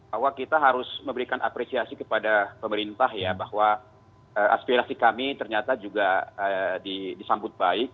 bahwa kita harus memberikan apresiasi kepada pemerintah ya bahwa aspirasi kami ternyata juga disambut baik